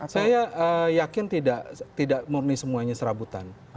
saya yakin tidak murni semuanya serabutan